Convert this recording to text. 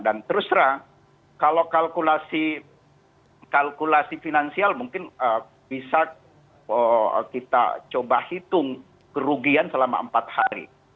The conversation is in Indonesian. dan terus terang kalau kalkulasi finansial mungkin bisa kita coba hitung kerugian selama empat hari